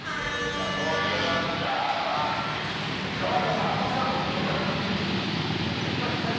トップバッターはショーゴさん。